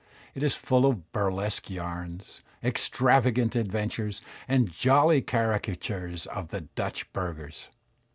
It is full of burlesque yams, extravagant adventures, and jolly carica tures of the Dutch burghers.